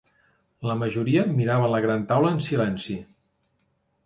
La majoria miraven la gran taula en silenci.